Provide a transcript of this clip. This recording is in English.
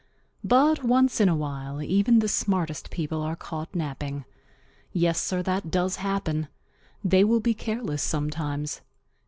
But once in a while even the smartest people are caught napping. Yes, Sir, that does happen. They will be careless sometimes.